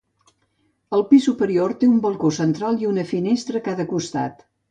El pis superior té un balcó central i una finestra a cada costat.